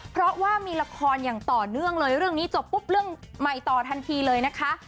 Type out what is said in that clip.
เพราะว่ามีละครอย่างต่อเนื่องเลยเรื่องนี้จบปุ๊บเรื่องใหม่ต่อทันทีเลยนะคะ